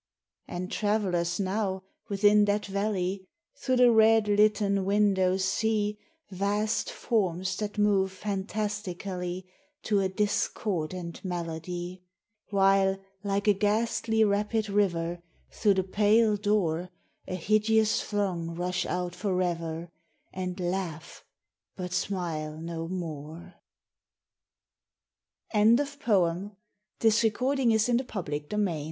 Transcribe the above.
And travellers now within that valley Through the red lit ten windows see 16G POEMS OF FAXCY. Vast forms that move fantastically To a discordant melody ; While, like a ghastly rapid river, Through the pale door A hideous throng rush out forever, And laugh — but smile no more. EDGAR ALLAN POE. THE SUNKEN CITY.